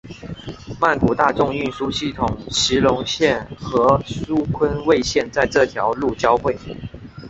曼谷大众运输系统席隆线和苏坤蔚线在这条路交会。